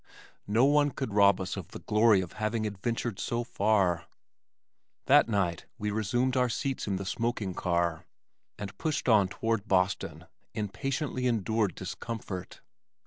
No one could rob us of the glory of having adventured so far. That night we resumed our seats in the smoking car, and pushed on toward Boston in patiently endured discomfort.